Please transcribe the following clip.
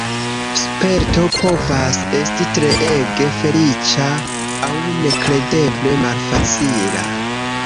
Sperto povas esti treege feliĉa aŭ nekredeble malfacila.